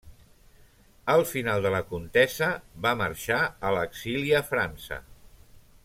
Al final de la contesa va marxar a l'exili a França.